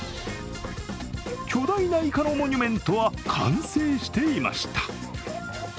巨大ないかのモニュメントは完成していました。